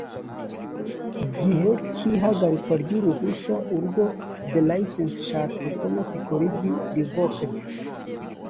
gihe cy ihagarikwa ry uruhushya urwo the license shall automatically be revoked